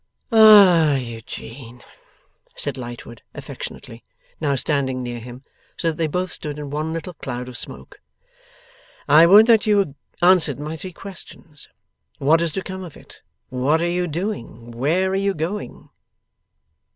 'Ah, Eugene!' said Lightwood, affectionately, now standing near him, so that they both stood in one little cloud of smoke; 'I would that you answered my three questions! What is to come of it? What are you doing? Where are you going?